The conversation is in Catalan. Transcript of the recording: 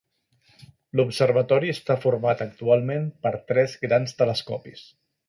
L'observatori està format actualment per tres grans telescopis.